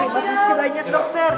terima kasih banyak dokter